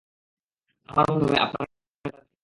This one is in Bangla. আমার মনে হয় আপনার এটা দেখা দরকার।